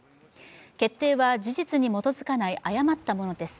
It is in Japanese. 決定は事実に基づかない誤ったものです。